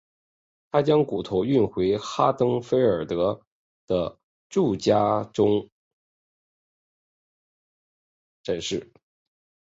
他将骨头运回哈登菲尔德的住家中展示。